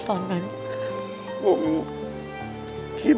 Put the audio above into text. ผมคิดว่าสงสารแกครับ